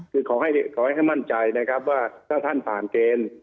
คือขอให้มั่นใจนะครับว่าถ้าท่านผ่านเกณฑ์